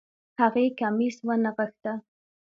هغې کميس ونغښتۀ